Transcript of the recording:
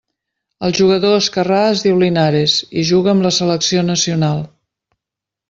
El jugador esquerrà es diu Linares i juga amb la selecció nacional.